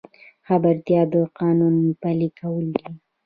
خبرتیا د قانون پلي کول دي